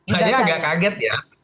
hanya agak kaget ya